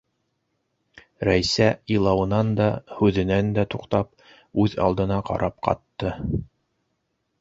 Рәйсә, илауынан да, һүҙенән дә туҡтап, үҙ алдына ҡарап ҡатты.